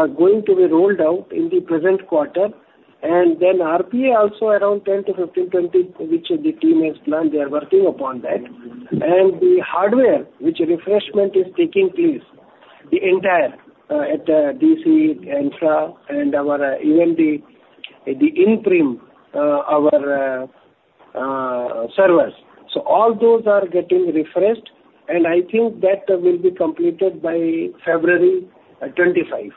going to be rolled out in the present quarter. And then RPA also around 10 to 15-20, which the team has planned, they are working upon that. The hardware refresh is taking place, the entire at DC and DR and our even the on-prem our servers. So all those are getting refreshed, and I think that will be completed by February 2025.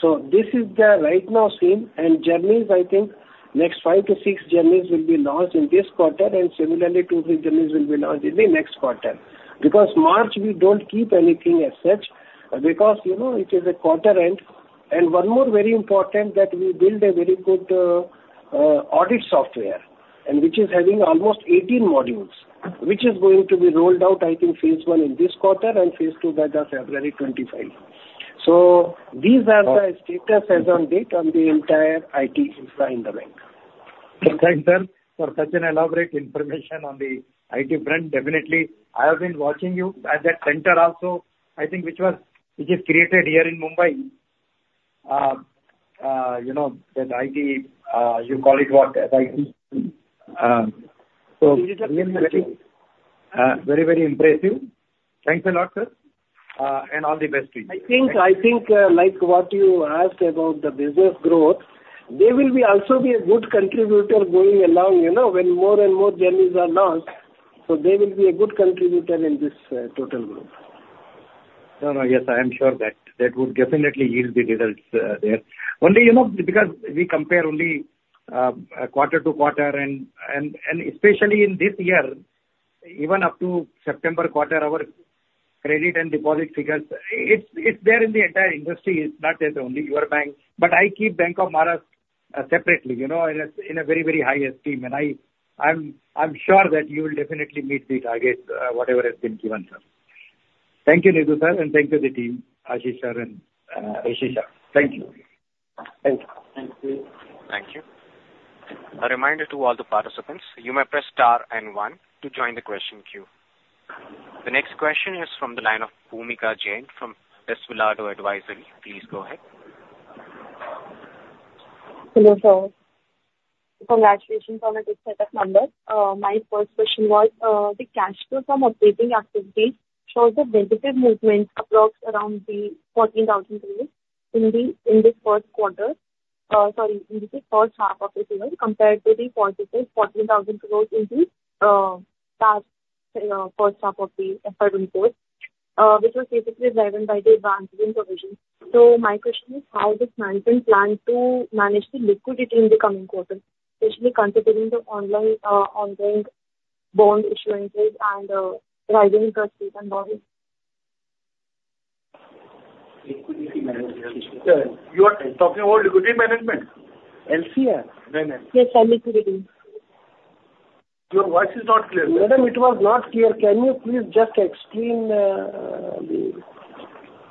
So this is the right now scene, and journeys, I think next 5-6 journeys will be launched in this quarter, and similarly, 2-3 journeys will be launched in the next quarter. Because March, we don't keep anything as such, because, you know, it is a quarter end. One more very important that we build a very good audit software, and which is having almost 18 modules, which is going to be rolled out, I think, phase one in this quarter and phase two by February 2025. So these are the status as on date on the entire IT infra in the bank. Thanks, sir, for such an elaborate information on the IT front. Definitely, I have been watching you at that center also, I think, which is created here in Mumbai. You know, that IT, you call it what? IT. So very impressive. Thanks a lot, sir, and all the best to you. I think, like what you asked about the business growth, they will also be a good contributor going along, you know, when more and more journeys are launched, so they will be a good contributor in this total growth. No, no. Yes, I am sure that that would definitely yield the results, there. Only, you know, because we compare only quarter to quarter, and especially in this year, even up to September quarter, our credit and deposit figures, it's there in the entire industry, it's not there only your bank. But I keep Bank of Baroda separately, you know, in a very, very high esteem, and I'm sure that you will definitely meet the targets, whatever has been given, sir. Thank you, Nidhu sir, and thank you the team, Ashish sir and Rishi sir. Thank you. Thank you. Thank you. A reminder to all the participants, you may press star and one to join the question queue. The next question is from the line of Bhumika Jain from Espresso Advisory. Please go ahead. Hello, sir. Congratulations on a good set of numbers. My first question was, the cash flow from operating activities shows a negative movement approx around 14,000 crores in the first half of this year, compared to the positive 14,000 crores in the last first half of the fiscal year. Which was basically driven by the advances. So my question is: How does management plan to manage the liquidity in the coming quarter, especially considering the online ongoing bond issuances and rising interest rate and volumes? Liquidity management. You are talking about liquidity management? LCR? No, ma'am. Yes, liquidity. Your voice is not clear. Madam, it was not clear. Can you please just explain, the-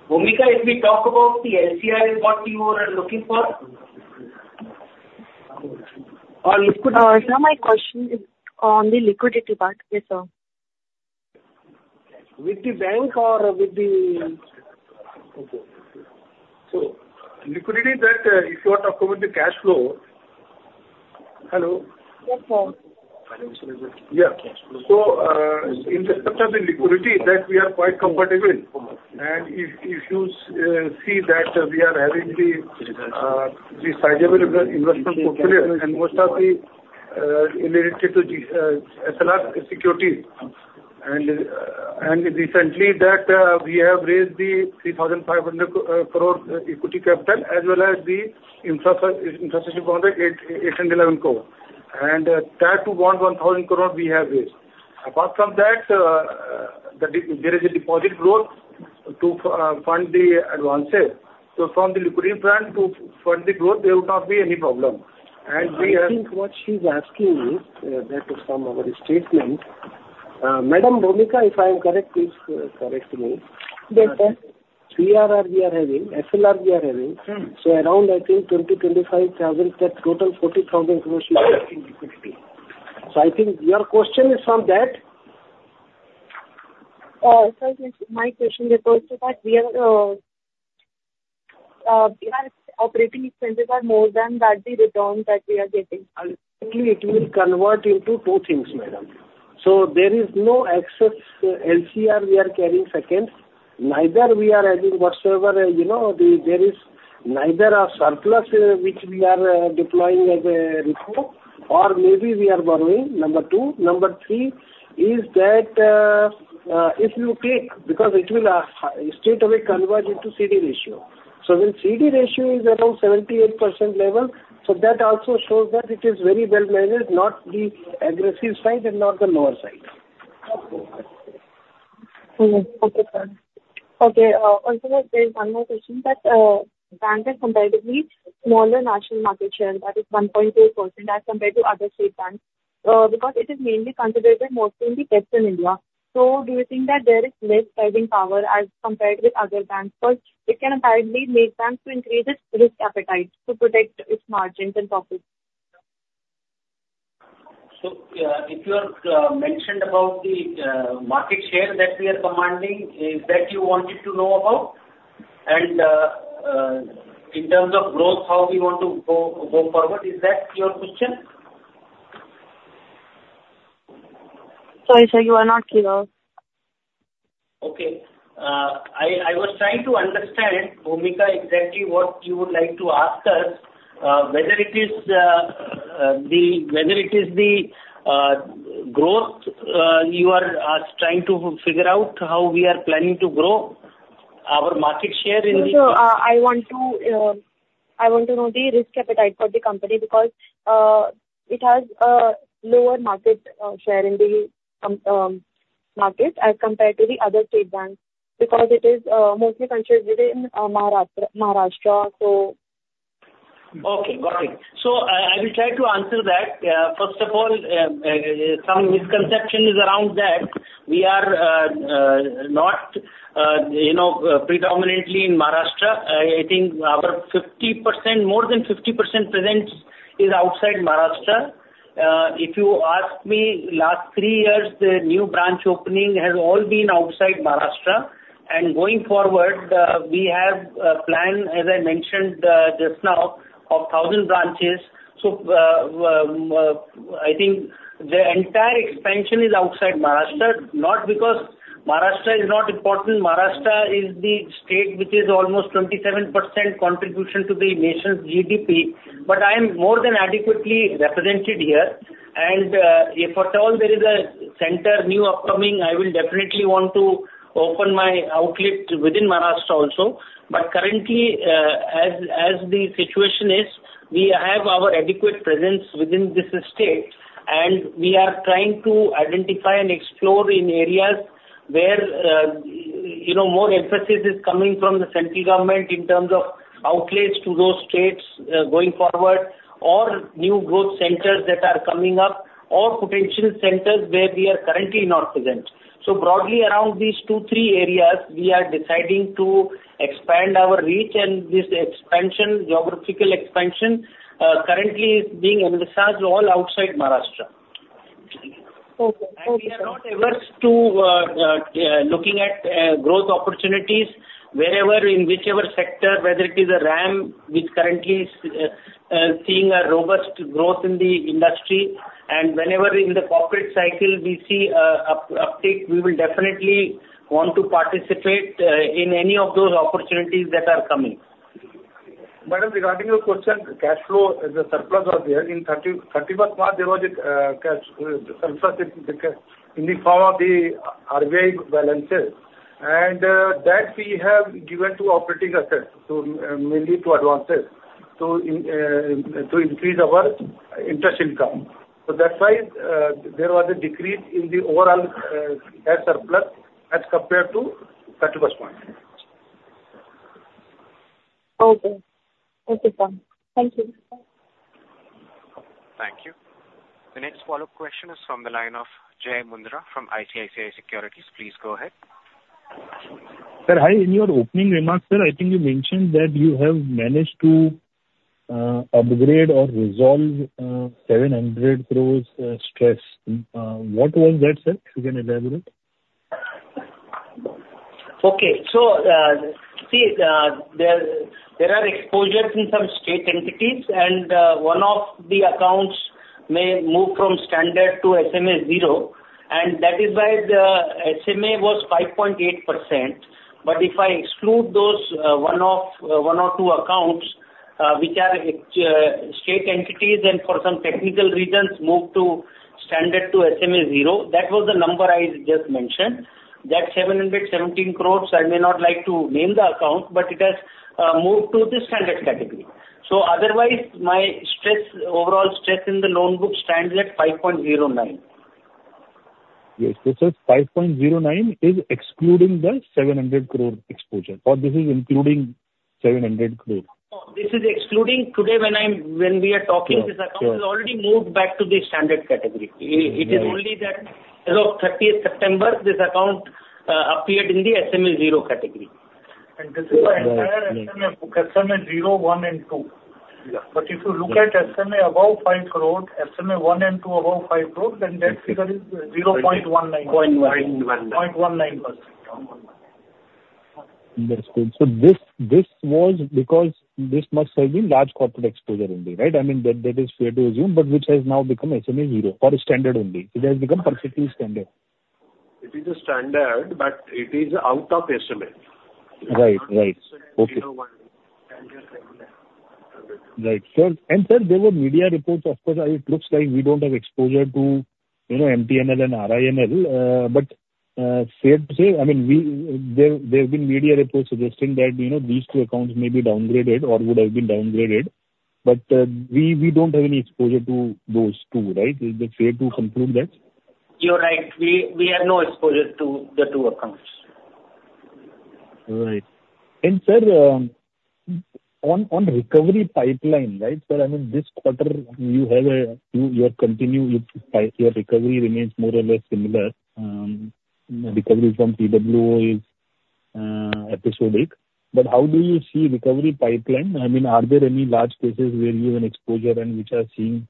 Bhumika, if we talk about the LCR, is what you are looking for? Or liquidity. No, my question is on the liquidity part. Yes, sir. With the bank or with the... Okay. So liquidity, that, if you are talking with the cash flow... Hello? Yes, sir. Yeah. So in the terms of the liquidity, that we are quite comfortable. And if you see that we are having the sizable investment portfolio, and most of the related to the SLR security. And recently that we have raised the 3,500 crores equity capital, as well as the infrastructure bond, 811 crore. And that to 1,000 crore we have raised. Apart from that, the deposit growth to fund the advances. So from the liquidity plan to fund the growth, there would not be any problem. And we are- I think what she's asking is, that is from our statement. Madam Bhumika, if I am correct, please, correct me. Yes, sir. CRR, we are having, SLR, we are having. Mm-hmm. So around, I think, 20-25 thousand, that total 40,000 crores is in liquidity. So I think your question is from that? Sir, yes. My question refers to that we are operating expenses are more than that, the returns that we are getting. Ultimately, it will convert into two things, madam. So there is no excess LCR we are carrying, second. Neither we are adding whatsoever, you know, there is neither a surplus, which we are deploying as a repo or maybe we are borrowing, number two. Number three is that, if you take, because it will straightaway convert into CD ratio.... So when CD ratio is around 78% level, so that also shows that it is very well managed, not the aggressive side and not the lower side. Mm-hmm. Okay, sir. Okay, also there is one more question that bank has comparatively smaller national market share, that is 1.2% as compared to other state banks, because it is mainly concentrated mostly in the western India. So do you think that there is less driving power as compared with other banks? But it can apparently make banks to increase its risk appetite to protect its margins and profits. If you are mentioned about the market share that we are commanding, is that you wanted to know about? And, in terms of growth, how we want to go forward, is that your question? Sorry, sir, you are not clear. Okay. I was trying to understand, Bhumika, exactly what you would like to ask us, whether it is the growth you are trying to figure out how we are planning to grow our market share in the- I want to know the risk appetite for the company, because it has a lower market share in the commercial market as compared to the other state banks, because it is mostly concentrated in Maharashtra, so. Okay, got it, so I will try to answer that. First of all, some misconception is around that. We are not, you know, predominantly in Maharashtra. I think our 50%, more than 50% presence is outside Maharashtra. If you ask me, last three years, the new branch opening has all been outside Maharashtra, and going forward, we have a plan, as I mentioned, just now, of 1,000 branches, so I think the entire expansion is outside Maharashtra, not because Maharashtra is not important. Maharashtra is the state which is almost 27% contribution to the nation's GDP, but I am more than adequately represented here, and if at all there is a center new upcoming, I will definitely want to open my outlet within Maharashtra also. But currently, as the situation is, we have our adequate presence within this state, and we are trying to identify and explore in areas where, you know, more emphasis is coming from the central government in terms of outlets to those states, going forward, or new growth centers that are coming up, or potential centers where we are currently not present. So broadly around these two, three areas, we are deciding to expand our reach, and this expansion, geographical expansion, currently is being emphasized all outside Maharashtra. Okay. Okay. And we are not averse to looking at growth opportunities wherever in whichever sector, whether it is a RAM, which currently is seeing a robust growth in the industry. And whenever in the corporate cycle we see an uptick, we will definitely want to participate in any of those opportunities that are coming. Madam, regarding your question, cash flow, the surplus was there. In thirty-first March, there was a cash surplus in the form of the RBI balances. And that we have given to operating assets, so mainly to advances, so in to increase our interest income. So that's why there was a decrease in the overall cash surplus as compared to thirty-first March. Okay. Okay, sir. Thank you. Thank you. The next follow-up question is from the line of Jai Mundra from ICICI Securities. Please go ahead. Sir, hi, in your opening remarks, sir, I think you mentioned that you have managed to upgrade or resolve 700 crores stress. What was that, sir? You can elaborate. Okay. So, see, there are exposures in some state entities, and one of the accounts may move from standard to SMA zero, and that is why the SMA was 5.8%. But if I exclude those, one or two accounts, which are state entities and for some technical reasons moved to standard to SMA zero, that was the number I just mentioned. That 717 crores, I may not like to name the account, but it has moved to the standard category. So otherwise, my stress, overall stress in the loan book stands at 5.09%. Yes. So, sir, 5.09 is excluding the 700 crore exposure, or this is including 700 crore? No, this is excluding. Today, when we are talking- Sure. Sure. This account is already moved back to the standard category. Right. It is only that as of thirtieth September, this account appeared in the SMA zero category. This is the entire SMA book, SMA zero, one and two. Yeah. But if you look at SMA above ₹5 crore, SMA one and two above ₹5 crore, then that figure is 0.19. Point one nine. 0.19%. That's good. So this was because this must have been large corporate exposure only, right? I mean, that is fair to assume, but which has now become SMA zero or standard only. It has become perfectly standard. It is a standard, but it is out of SMA. Right. Right. Okay. Zero one. Standard category. Right. So, and sir, there were media reports, of course, it looks like we don't have exposure to, you know, MTNL and RINL. But fair to say, I mean, there have been media reports suggesting that, you know, these two accounts may be downgraded or would have been downgraded, but we don't have any exposure to those two, right? Is it fair to conclude that? You're right. We have no exposure to the two accounts. Right. And sir, on recovery pipeline, right, sir, I mean, this quarter you have continued with your recovery remains more or less similar. Recovery from PWO is episodic. But how do you see recovery pipeline? I mean, are there any large cases where you have an exposure and which are seeing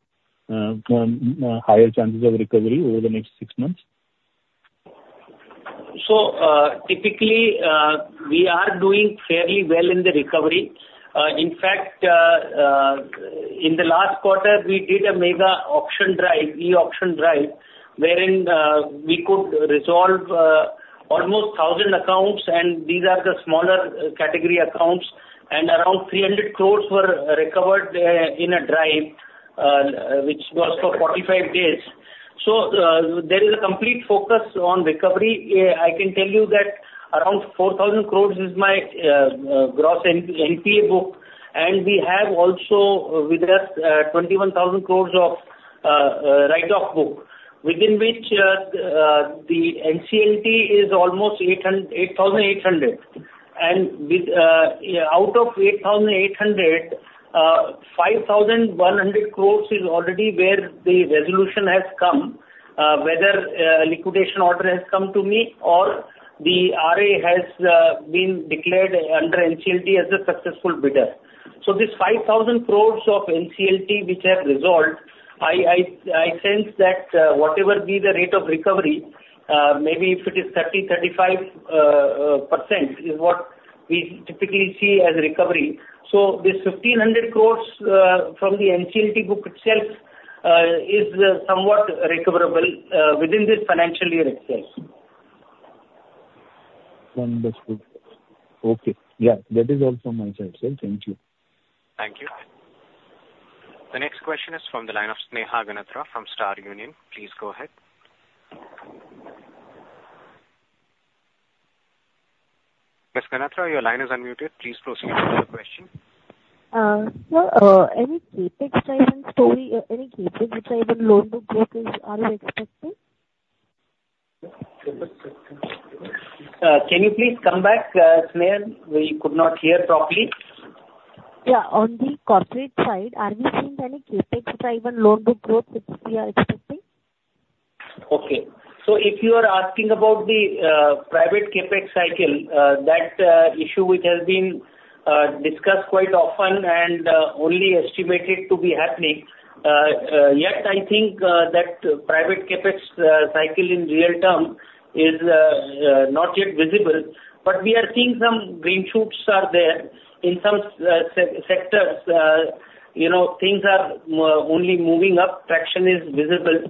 higher chances of recovery over the next six months? Typically, we are doing fairly well in the recovery. In fact, in the last quarter, we did a mega auction drive, e-auction drive, wherein we could resolve almost 1,000 accounts, and these are the smaller category accounts, and around 300 crores were recovered in a drive which was for 45 days. There is a complete focus on recovery. I can tell you that around 4,000 crores is my gross NPA book, and we have also with us 21,000 crores of write-off book, within which the NCLT is almost 8,800. Out of 8,800, 5,100 crores is already where the resolution has come, whether liquidation order has come to me or the RA has been declared under NCLT as a successful bidder. So this 5,000 crores of NCLT which have resolved, I sense that whatever be the rate of recovery, maybe if it is 30-35% is what we typically see as recovery. So this 1,500 crores from the NCLT book itself is somewhat recoverable within this financial year itself. Wonderful. Okay. Yeah, that is all from my side, sir. Thank you. Thank you. The next question is from the line of Sneha Ganatra from Star Union. Please go ahead. Ms. Ganatra, your line is unmuted. Please proceed with your question. Sir, any CapEx driving story, any CapEx which are even loan book growth is, are you expecting? Can you please come back, Sneha? We could not hear properly. Yeah, on the corporate side, are we seeing any CapEx driver loan book growth which we are expecting? Okay. So if you are asking about the private CapEx cycle, that issue which has been discussed quite often and only estimated to be happening, yet I think that private CapEx cycle in real term is not yet visible. But we are seeing some green shoots are there. In some sectors, you know, things are only moving up, traction is visible.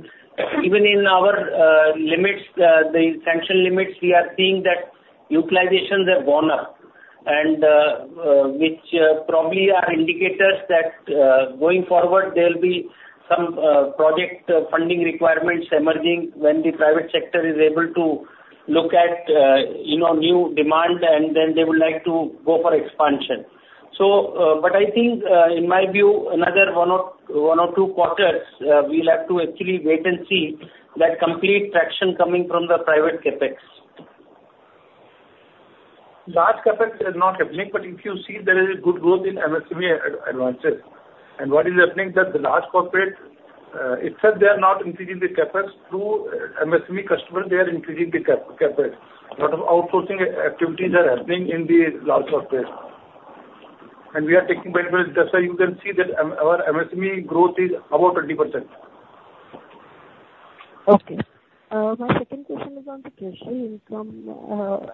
Even in our limits, the sanction limits, we are seeing that utilizations have gone up, and which probably are indicators that going forward, there will be some project funding requirements emerging when the private sector is able to look at you know, new demand, and then they would like to go for expansion. I think, in my view, another one or two quarters, we'll have to actually wait and see that complete traction coming from the private CapEx. Large CapEx is not happening, but if you see, there is a good growth in MSME advances. And what is happening that the large corporate itself, they are not increasing the CapEx. Through MSME customer, they are increasing the CapEx. A lot of outsourcing activities are happening in the large corporate, and we are taking benefit. That's why you can see that our MSME growth is about 20%. Okay. My second question is on the treasury income.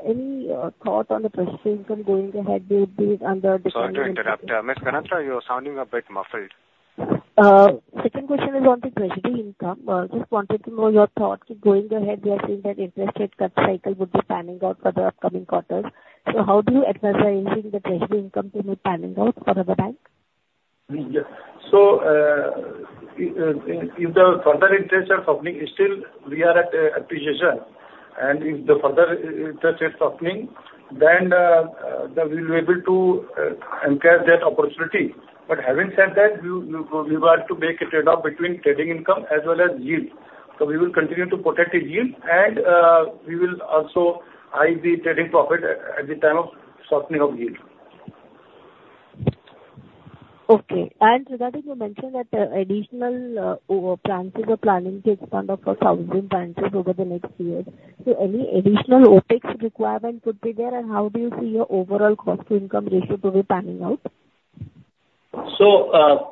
Any thought on the treasury income going ahead, would be under the- Sorry to interrupt. Ms. Ganatra, you're sounding a bit muffled. Second question is on the treasury income. Just wanted to know your thought going ahead. We are seeing that interest rate cut cycle would be panning out for the upcoming quarters. So how do you advise the increasing the treasury income to be panning out for the bank? Yeah, so if the further interests are softening, still we are at appreciation, and if the further interest is softening, then we will be able to incur that opportunity, but having said that, we will have to make a trade-off between trading income as well as yield, so we will continue to protect the yield and we will also hike the trading profit at the time of softening of yield. Okay. And Sir, that you mentioned that additional branches are planning to expand up to 1,000 branches over the next year. So any additional OpEx requirement could be there, and how do you see your overall cost to income ratio to be panning out?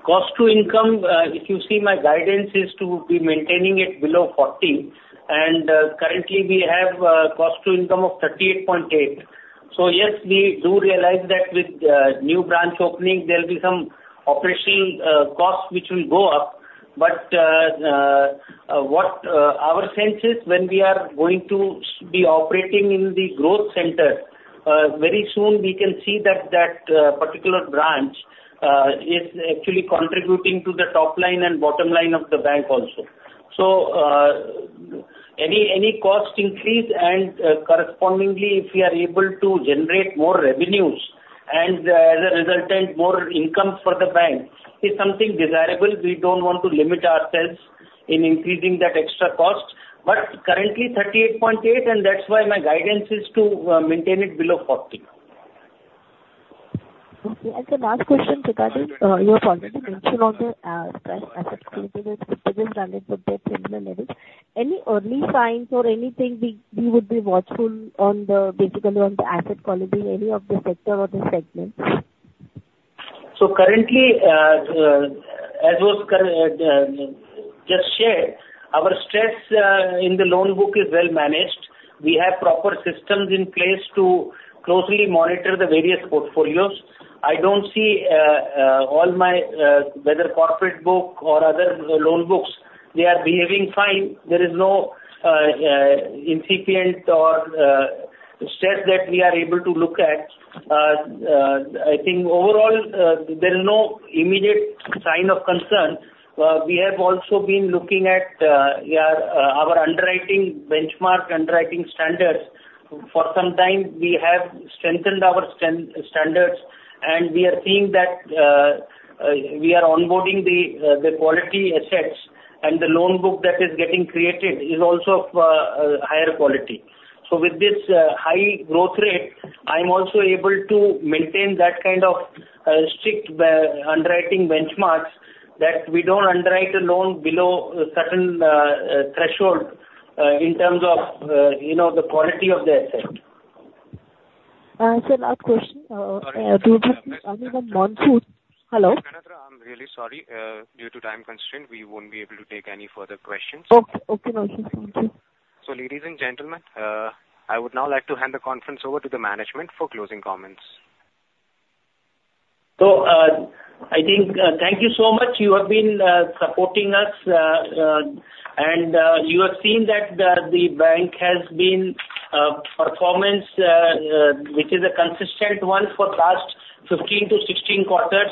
Cost to income, if you see my guidance, is to be maintaining it below 40, and currently, we have cost to income of 38.8. Yes, we do realize that with new branch opening, there will be some operating costs which will go up, but what our sense is when we are going to be operating in the growth center, very soon we can see that particular branch is actually contributing to the top line and bottom line of the bank also. So any cost increase and correspondingly, if we are able to generate more revenues and as a resultant, more income for the bank, is something desirable. We don't want to limit ourselves in increasing that extra cost, but currently 38.8, and that's why my guidance is to maintain it below 40. Okay. And the last question regarding your quality mention of the stressed assets related to business running with the levels. Any early signs or anything we would be watchful on, basically, the asset quality in any of the sector or the segments? Currently, as was just shared, our stress in the loan book is well managed. We have proper systems in place to closely monitor the various portfolios. I don't see any whether corporate book or other loan books, they are behaving fine. There is no incipient stress that we are able to look at. I think overall, there is no immediate sign of concern. We have also been looking at our underwriting benchmark, underwriting standards. For some time, we have strengthened our standards, and we are seeing that we are onboarding the quality assets, and the loan book that is getting created is also of higher quality. With this high growth rate, I am also able to maintain that kind of strict underwriting benchmarks that we don't underwrite a loan below a certain threshold in terms of, you know, the quality of the asset. Last question, regarding on the monsoon. Hello? I'm really sorry. Due to time constraint, we won't be able to take any further questions. Okay, okay, no issues. Thank you. So, ladies and gentlemen, I would now like to hand the conference over to the management for closing comments. So, I think, thank you so much. You have been supporting us, and you have seen that the bank has been performing, which is a consistent one for last 15-16 quarters.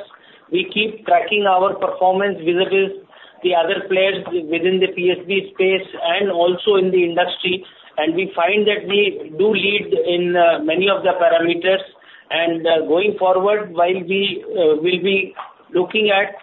We keep tracking our performance vis-a-vis the other players within the PSB space and also in the industry, and we find that we do lead in many of the parameters. And going forward, while we will be looking at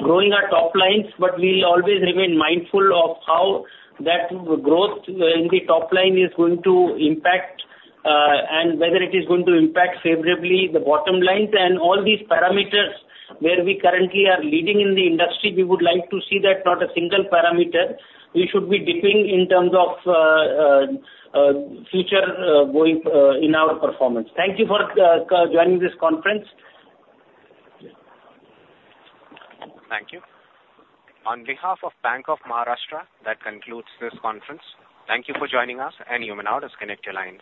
growing our top lines, but we'll always remain mindful of how that growth in the top line is going to impact and whether it is going to impact favorably the bottom lines. All these parameters where we currently are leading in the industry, we would like to see that not a single parameter we should be dipping in terms of future going in our performance. Thank you for joining this conference. Thank you. On behalf of Bank of Maharashtra, that concludes this conference. Thank you for joining us, and you may now disconnect your lines.